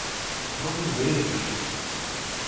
Non mudei de opinión.